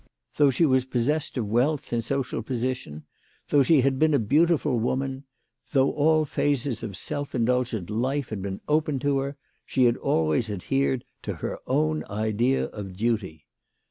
Though she was possessed of wealth and social position, though she had been a beautiful woman, though all phases of self indulgent life had been open to her, she had always adhered to her own idea of duty.